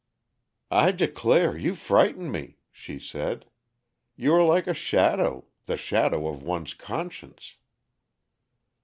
"I declare you frighten me," she said. "You are like a shadow the shadow of one's conscience."